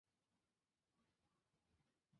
而现时主要代言人为陈慧琳和林峰。